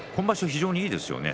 非常にいいですよね。